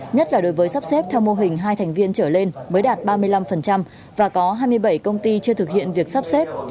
nhất là đối với sắp xếp theo mô hình hai thành viên trở lên mới đạt ba mươi năm và có hai mươi bảy công ty chưa thực hiện việc sắp xếp